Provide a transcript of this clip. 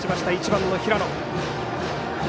１番の平野。